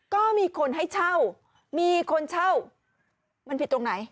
ก็มีคนให้เช่ามีคนเช่ามันผิดตรงไหน